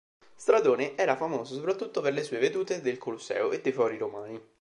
Stradone era famoso soprattutto per le sue vedute del Colosseo e dei Fori romani.